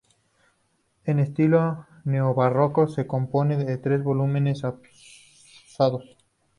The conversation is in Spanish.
En estilo neobarroco, se compone de tres volúmenes adosados.